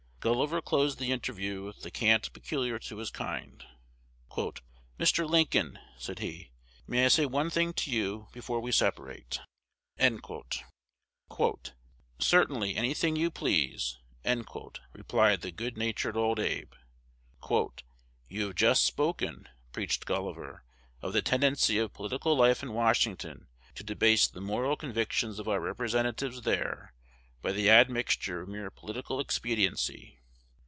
Gulliver closed the interview with the cant peculiar to his kind. "Mr. Lincoln," said he, "may I say one thing to you before we separate?" "Certainly; any thing you please," replied the good natured old Abe. "You have just spoken," preached Gulliver, "of the tendency of political life in Washington to debase the moral convictions of our representatives there by the admixture of mere political expediency.